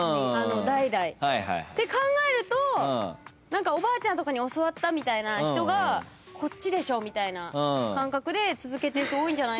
代々。って考えるとおばあちゃんとかに教わったみたいな人がこっちでしょみたいな感覚で続けてる人多いんじゃ。